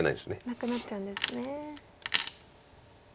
なくなっちゃうんですね。